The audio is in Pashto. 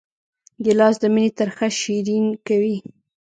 ګیلاس د مینې ترخه شیرین کوي.